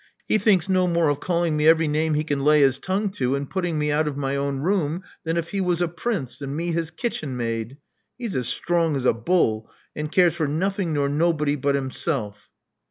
He thinks no more of calling me every name he can lay his tongue to, and putting me out of my own room than if he was a prince, and me his kitchen maid. He's as strong as a bull, and cares for nothing nor nobody but himself."